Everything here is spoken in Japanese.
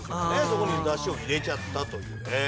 そこにだしを入れちゃったという。